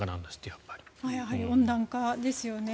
やはり温暖化ですよね。